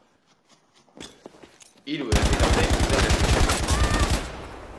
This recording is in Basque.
Hiru herri daude udalerri honetan.